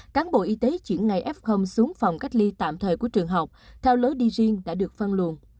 cán bộ y tế chuyển ngày f xuống phòng cách ly tạm thời của trường học theo lối đi riêng đã được phân luồn